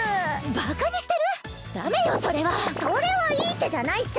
バカにしてる⁉ダメよそれは！それはいい手じゃないっス。